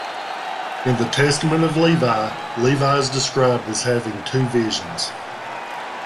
In the "Testament of Levi", Levi is described as having had two visions.